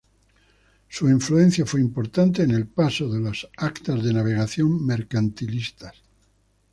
Su influencia fue importante en el paso de los Actas de Navegación mercantilistas.